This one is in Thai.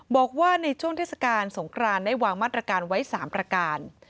บอกว่าในช่วงเทศกาลสงครานได้วางมาตรการไว้๓ประการ